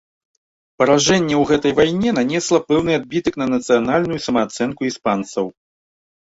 Паражэнне ў гэтай вайне нанесла пэўны адбітак на нацыянальную самаацэнку іспанцаў.